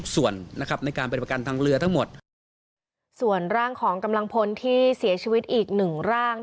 ส่วนร่างของกำลังพลที่เสียชีวิตอีก๑ร่าง